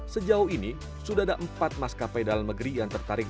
sejauh ini sudah ada empat maskapai dalam negeri yang tertarik